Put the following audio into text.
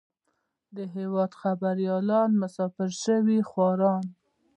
د هېواد خبريالان مسافر سوي خواران.